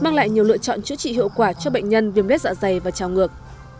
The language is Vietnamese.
mang lại nhiều lựa chọn chữa trị hiệu quả cho bệnh nhân viêm lết dạ dày và trào ngược